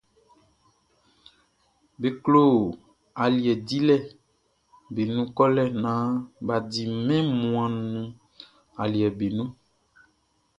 Be klo aliɛ diwlɛʼm be nun kɔlɛ naan bʼa di mɛn wunmuanʼn nun aliɛʼm be nun.